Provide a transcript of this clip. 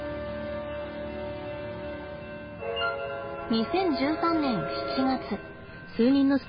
２０１３年７月。